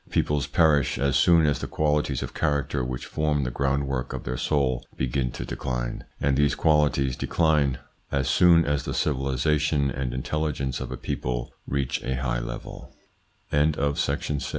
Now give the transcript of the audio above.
Peoples perish as soon as the qualities of character which form the groundwork of their soul begin to decline, and these qualities decline as soon as the civilisation and intelligence of a people reach